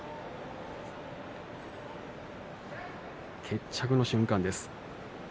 決着の瞬間です。